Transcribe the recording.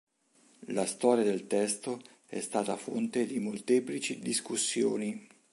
La storia del testo è stata fonte di molteplici discussioni.